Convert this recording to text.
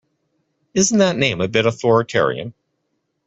Isn’t that name a bit authoritarian?